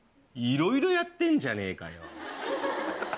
いろいろやってんじゃねえかよ。